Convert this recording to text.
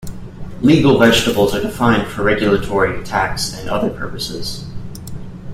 Legal vegetables are defined for regulatory, tax and other purposes.